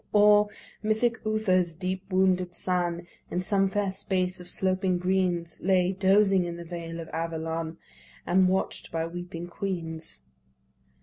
Or mythic Uther's deeply wounded son In some fair space of sloping greens Lay, dozing in the vale of Avalon, And watch'd by weeping queens.